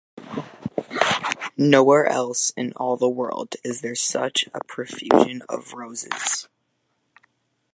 Nowhere else in all the world is there such a profusion of roses.